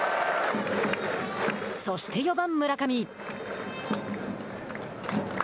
そして４番村上。